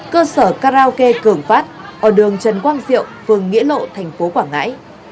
cơ sở karaoke cường phát ở đường trần quang diệu phường nghĩa lộ thành phố quảng ngãi